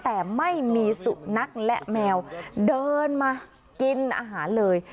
แต่ไม่มีสุนัขและแมวเดินมากินอาหารเลย